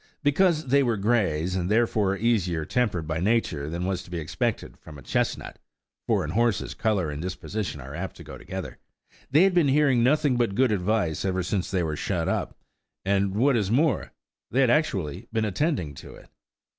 Besides that they were greys, and therefore easier tempered by nature than was to be expected from a chestnut (for in horses, colour and disposition are apt to go together), they had been hearing nothing but good advice ever since they were shut up–and, what is more, they had actually been attending to it!